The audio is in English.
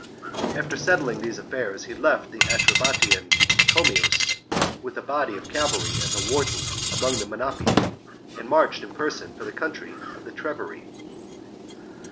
After settling these affairs, he left the Atrebatian, Commius, with a body of cavalry as a warden among the Menapii, and marched in person for the country of the Treveri.